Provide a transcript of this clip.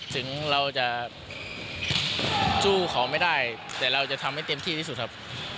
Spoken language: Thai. ถึงเราจะสู้ของไม่ได้แต่เราจะทำให้เต็มที่ที่สุดครับ